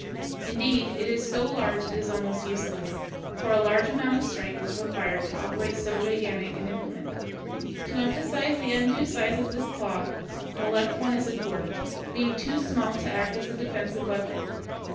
Indeed, it is so large as to be almost useless, for a large amount of strength is required to operate so gigantic an implement. To emphasize the undue size of this claw, the left one is a dwarf, being too small to act as a defensive weapon.